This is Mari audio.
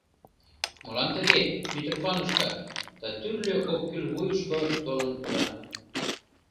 — «Молан тыге, Митрофанушка?» — «Да тӱрлӧ оккӱл вуйышко толын пура».